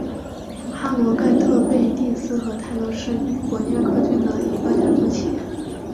哈罗盖特贝蒂斯和泰勒是英国约克郡的一个家族企业。